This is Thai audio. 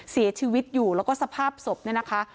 เสียชีวิตอยู่แล้วก็สภาพศพเนี่ยนะคะ